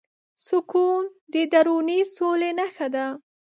سکون د دروني سولې نښه ده.